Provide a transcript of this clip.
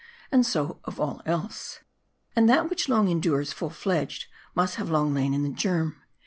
And so of all else. And that which long endures full fledged, must have long lain in the germ.